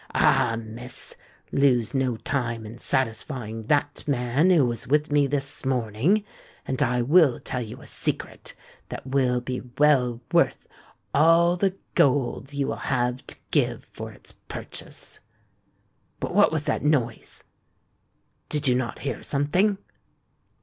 "Ah! Miss—lose no time in satisfying that man who was with me this morning, and I will tell you a secret that will be well worth all the gold you will have to give for its purchase. But what was that noise? did you not hear something?"